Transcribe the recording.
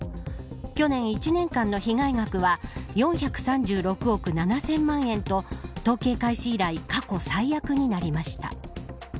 去年１年間の被害額は４３６億７０００万円と統計開始以来過去最悪になりました。